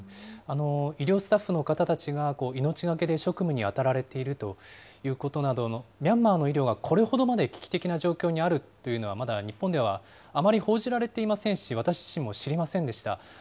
医療スタッフの方たちが命がけで職務に当たられているということなど、ミャンマーの医療がこれほどまで危機的な状況にあるというのは、まだ日本ではあまり報じられていませんし、私自身も知りませんでした。